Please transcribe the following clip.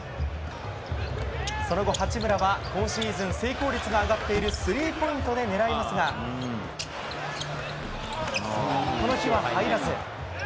その後、八村は今シーズン成功率が上がっているスリーポイントで狙いますがこの日は入らず。